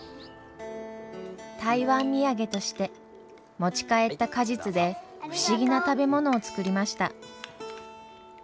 台湾土産として持ち帰った果実で不思議な食べ物を作りました。